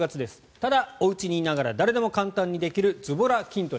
ただ、おうちにいながら誰でも簡単にできるズボラ筋トレ。